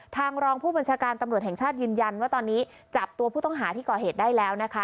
รองผู้บัญชาการตำรวจแห่งชาติยืนยันว่าตอนนี้จับตัวผู้ต้องหาที่ก่อเหตุได้แล้วนะคะ